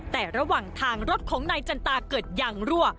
แต่ระหว่างทางรถของนายจันตาเกิดยางรั่ว